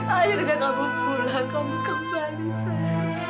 ayo udah kamu pulang kamu kembali sayang